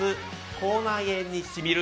口内炎にしみる。